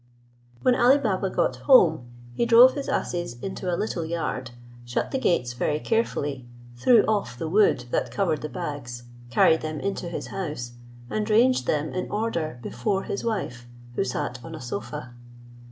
When Ali Baba got home, he drove his asses into a little yard, shut the gates very carefully, threw off the wood that covered the bags, carried them into his house, and ranged them in order before his wife, who sat on a sofa.